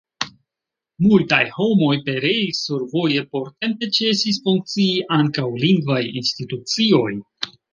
Multaj homoj pereis survoje, portempe ĉesis funkcii ankaŭ lingvaj institucioj.